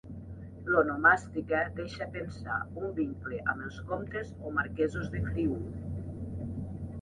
L'onomàstica deixa pensar un vincle amb els comtes o marquesos de Friül.